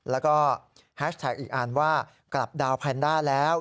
แล้วก็แฮชแท็กอีกอันว่ากลับดาวแพนด้าแล้ว